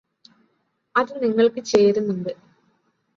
അത് നിങ്ങൾക്ക് ചേരുന്നുണ്ട്